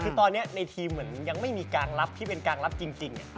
คือตอนนี้ในทีมเหมือนยังไม่มีการรับที่เป็นกลางรับจริง